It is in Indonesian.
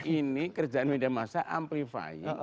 ini kerjaan media masa amplifying